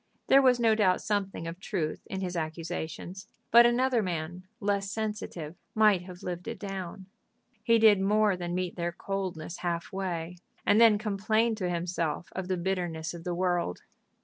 There was no doubt something of truth in his accusations; but another man, less sensitive, might have lived it down. He did more than meet their coldness half way, and then complained to himself of the bitterness of the world.